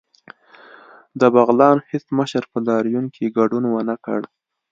د بغلان هیڅ مشر په لاریون کې ګډون ونکړ